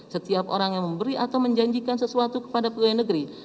setiap orang yang memberi atau menjanjikan sesuatu kepada pegawai negeri